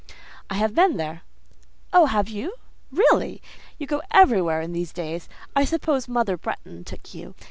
"I have been there." "Oh, you have? Really! You go everywhere in these days. I suppose Mother Bretton took you.